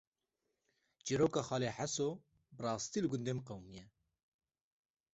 Çîroka “Xalê Heso” bi rastî li gundê min qewîmiye